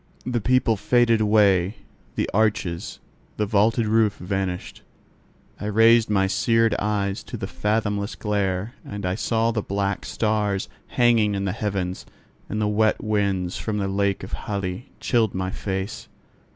The people faded away, the arches, the vaulted roof vanished. I raised my seared eyes to the fathomless glare, and I saw the black stars hanging in the heavens: and the wet winds from the lake of Hali chilled my face.